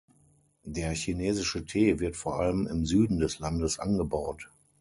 Der chinesische Tee wird vor allem im Süden des Landes angebaut.